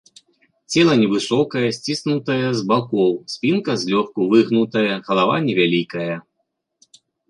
Цела невысокае, сціснутае з бакоў, спінка злёгку выгнутая, галава невялікая.